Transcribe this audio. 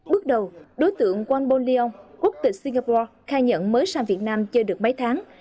bước đầu đối tượng wong bon leong quốc tịch singapore khai nhận mới sang việt nam chơi được mấy tháng